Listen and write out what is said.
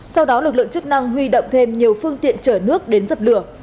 sau đó lực lượng chức năng huy động thêm nhiều phương tiện chở nước đến dập lửa